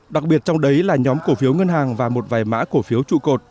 đặc biệt trong đấy là nhóm cổ phiếu ngân hàng và một vài mã cổ phiếu trụ cột